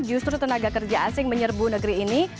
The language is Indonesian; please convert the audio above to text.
justru tenaga kerja asing menyerbu negeri ini